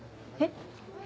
えっ？